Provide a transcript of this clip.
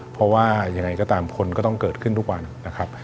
เพราะว่ายังไงก็ตามคนก็ต้องเกิดขึ้นทุกวันนะครับ